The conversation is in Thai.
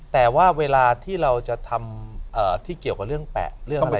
แต่ว่าเวลาที่เราจะทำที่เกี่ยวกับเรื่องแปะเรื่อง